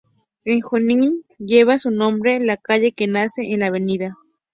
En Junín lleva su nombre la calle que nace en la Av.